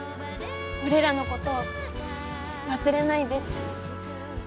俺らのこと忘れないで。